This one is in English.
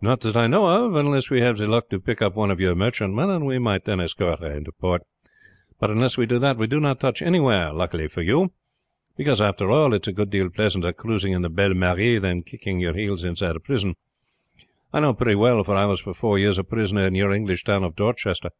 "Not that I know of, unless we have the luck to pick up one of your merchantmen, and we might then escort her into port. But unless we do that we do not touch anywhere, luckily for you; because, after all, it is a good deal pleasanter cruising in the Belle Marie than kicking your heels inside a prison. I know pretty well, for I was for four years a prisoner in your English town of Dorchester.